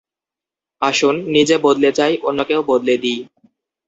আসুন, নিজে বদলে যাই, অন্যকেও বদলে দিই।